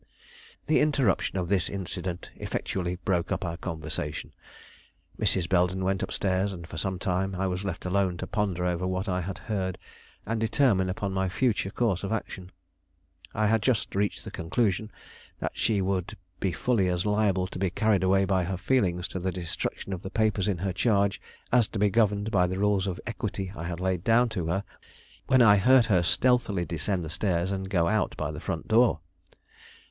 The interruption of this incident effectually broke up our conversation. Mrs. Belden went up stairs, and for some time I was left alone to ponder over what I had heard, and determine upon my future course of action. I had just reached the conclusion that she would be fully as liable to be carried away by her feelings to the destruction of the papers in her charge, as to be governed by the rules of equity I had laid down to her, when I heard her stealthily descend the stairs and go out by the front door.